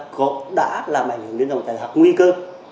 cũng đã làm ảnh hưởng đến dòng chạy hoặc nguy cơ